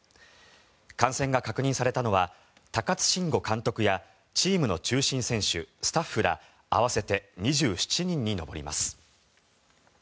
感染が確認されたのは高津臣吾監督やチームの中心選手、スタッフら合わせて２７人に上ります。